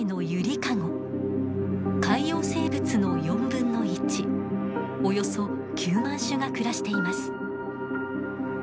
海洋生物の４分の１およそ９万種が暮らしています。